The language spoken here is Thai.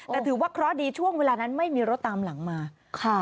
แต่ถือว่าเคราะห์ดีช่วงเวลานั้นไม่มีรถตามหลังมาค่ะ